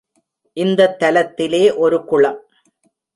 இந்தத் தலத்திலே ஒரு குளம்.